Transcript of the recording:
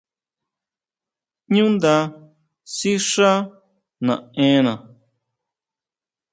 Ñu nda sixá naʼena.